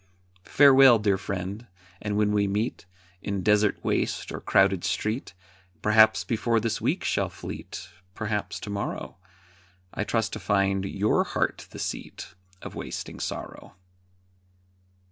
Farewell, dear friend, and when we meet, In desert waste or crowded street, Perhaps before this week shall fleet, Perhaps to morrow, I trust to find your heart the seat Of wasting sorrow.